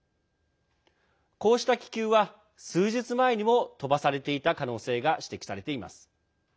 こうした気球は、数日前にも飛ばされていた可能性が指摘されています。